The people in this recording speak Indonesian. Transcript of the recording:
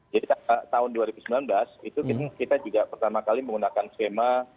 jadi tahun dua ribu sembilan belas itu kita juga pertama kali menggunakan skema